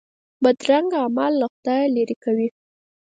بدرنګه اعمال له خدایه لیرې کوي